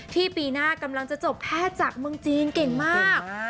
ปีหน้ากำลังจะจบแพทย์จากเมืองจีนเก่งมาก